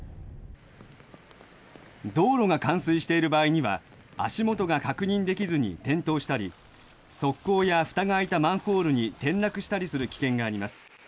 道路が冠水している場合には足元が確認できずに転倒したり側溝やふたが開いたマンホールに転落したりする危険があります。